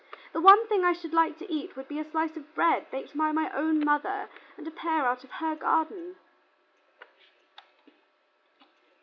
The one thing I should like to eat would be a slice of bread baked by my own mother, and a pear out of her garden."